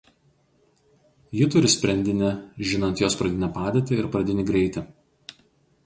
Ji turi sprendinį žinant jos pradinę padėtį ir pradinį greitį.